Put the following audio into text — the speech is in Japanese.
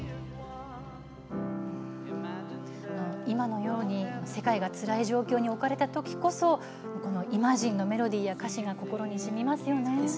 今のように、世界がつらい状況に置かれたときこそ「イマジン」のメロディーや歌詞が心にしみますよね。